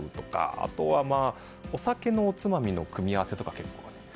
あとは、お酒のおつまみの組み合わせとかも、結構。